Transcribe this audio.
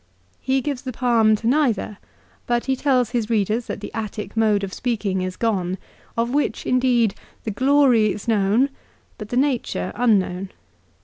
He gives the palm to neither ; but he tells his readers that the Attic mode of speaking is gone, of which, indeed, the glory is known, but the nature unknown.